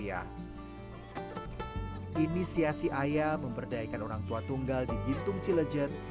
inisiasi ayah memperdayakan orang tua tunggal di jintung cilejet